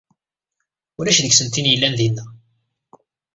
Ulac deg-sent tin i yellan dina.